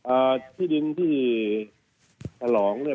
อ่าที่ดินที่ท่านรองนี้